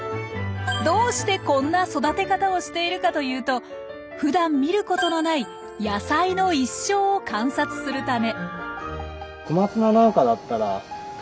どうしてこんな育て方をしているかというとふだん見ることのない野菜の一生を観察するため。